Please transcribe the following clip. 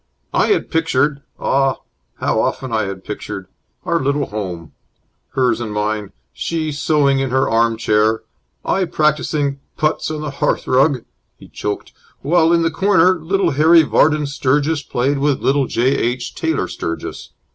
"I had pictured ah, how often I had pictured! our little home! Hers and mine. She sewing in her arm chair, I practising putts on the hearth rug " He choked. "While in the corner, little Harry Vardon Sturgis played with little J. H. Taylor Sturgis.